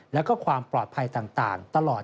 แล้วก็ความปลอดภัยต่างตลอด